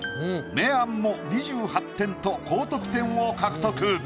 明暗も２８点と高得点を獲得。